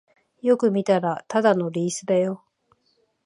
よく見たらただのリースだよ